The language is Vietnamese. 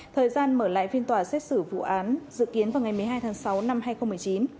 thời gian mở lại phiên tòa xét xử vụ án dự kiến vào ngày một mươi hai tháng sáu năm hai nghìn một mươi chín